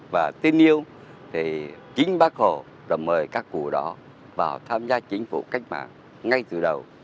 và tin yêu thì chính bác hồ đã mời các cụ đó vào tham gia chính phủ cách mạng ngay từ đầu